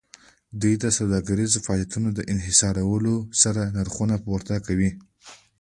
دوی د سوداګریزو فعالیتونو په انحصارولو سره نرخونه پورته کول